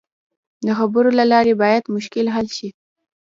د خبرو له لارې باید مشکل حل شي.